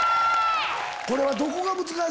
これは。